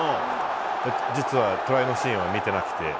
実はトライのシーンは見てなくて。